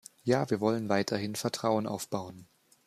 Ja, wir wollen weiterhin Vertrauen aufbauen.